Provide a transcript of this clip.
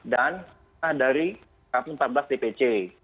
dan dari empat belas dpc